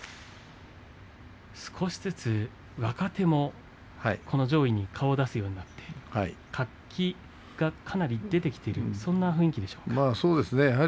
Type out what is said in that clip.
少しずつ若手も上位に顔を出すようになってきて活気がかなり出てきているそんな雰囲気ですね。